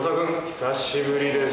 久しぶりです